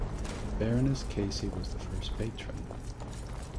Baroness Casey was the first patron.